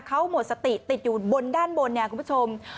เขาหมดสติติดอยู่บนด้านบนเนี่ยคุณผู้ชม